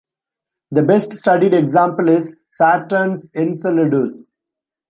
The best studied example is Saturn's Enceladus.